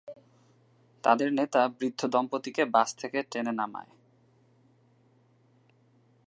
তাদের নেতা বৃদ্ধ দম্পতিকে বাস থেকে টেনে নামায়।